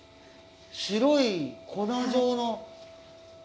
白い粉状の。